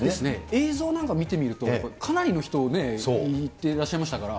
映像なんかを見てみると、かなりの人、行っていらっしゃいましたから。